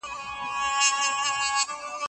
د صبر په صورت کي کوم خير شامليږي؟